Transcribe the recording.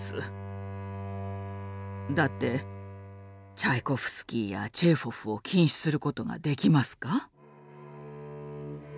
だってチャイコフスキーやチェーホフを禁止することができますか？